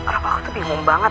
rob aku tuh bingung banget